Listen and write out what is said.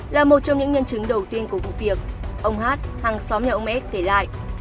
là một trong những nhân chứng đầu tiên của vụ việc ông hát hàng xóm nhà ông s kể lại